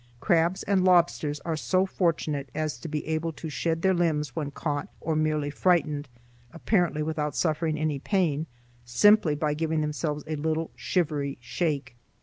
Crabs and lobsters are so fortunate as to be able to shed their limbs when caught or merely frightened, apparently without suffering any pain, simply by giving themselves a little shivery shake.